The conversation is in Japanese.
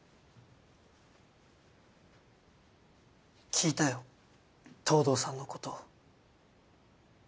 聞いたよ藤堂さんのこと。